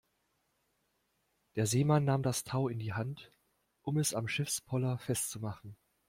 Der Seemann nahm das Tau in die Hand, um es am Schiffspoller festzumachen.